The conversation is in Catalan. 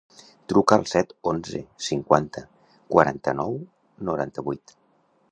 Truca al set, onze, cinquanta, quaranta-nou, noranta-vuit.